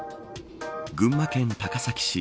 群馬県高崎市